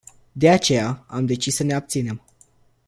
De aceea, am decis să ne abținem.